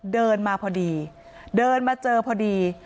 เดินมาพอดีเดินมาเจอพอดี